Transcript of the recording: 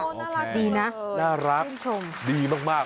โอ้โหน่ารักมากชื่นชมดีนะน่ารัก